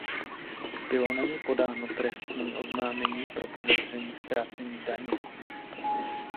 Bylo na něj podáno trestní oznámení pro podezření z krácení daně.